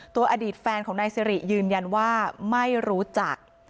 อดีตแฟนของนายสิริยืนยันว่าไม่รู้จัก